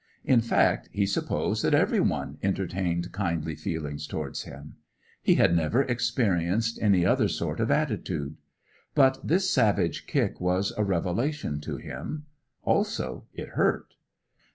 In fact, he supposed that every one entertained kindly feelings towards him. He had never experienced any other sort of attitude. But this savage kick was a revelation to him. Also, it hurt.